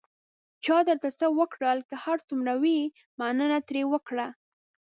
چا درته څه وکړل، که هر څومره وي، مننه ترې وکړه.